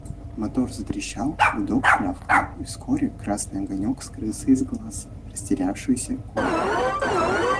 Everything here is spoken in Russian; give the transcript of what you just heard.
Мотор затрещал, гудок рявкнул, и вскоре красный огонек скрылся из глаз растерявшегося Коли.